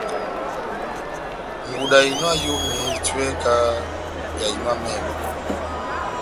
Ngudi ya ehinɔ ya eyomi ehitiwɛ kahá yá ehinɔ yá emɛngwɛ